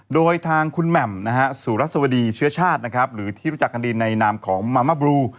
โดยทางคุณแหม่มนะฮะสุรัสวดีเชื้อชาตินะครับหรือที่รู้จักกันดีในนามของมามบลู